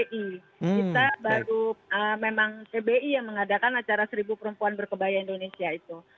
kita baru memang pbi yang mengadakan acara seribu perempuan berkebaya indonesia itu